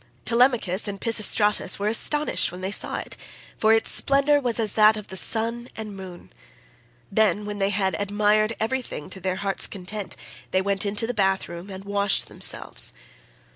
Telemachus and Pisistratus were astonished when they saw it, for its splendour was as that of the sun and moon; then, when they had admired everything to their heart's content, they went into the bath room and washed themselves.